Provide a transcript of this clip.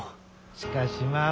しかしまあ